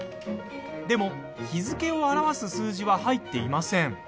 でも日付を表す数字は入っていません。